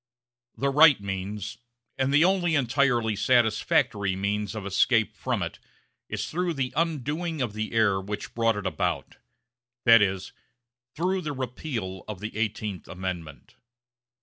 The right means, and the only entirely satisfactory means, of escape from it is through the undoing of the error which brought it about that is, through the repeal of the Eighteenth Amendment.